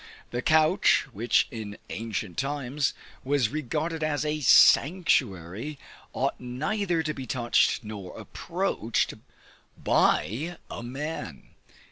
The couch, which in ancient times was regarded as a sanctuary, ought neither to be touched nor approached by a man.